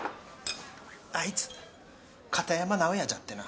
あいつ片山直哉じゃっでな。